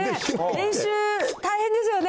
練習大変ですよね。